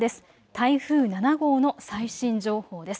台風７号の最新情報です。